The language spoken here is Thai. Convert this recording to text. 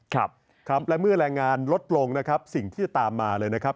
ครับครับและเมื่อแรงงานลดลงนะครับสิ่งที่จะตามมาเลยนะครับ